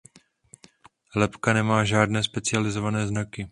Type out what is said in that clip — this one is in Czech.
Lebka nemá žádné specializované znaky.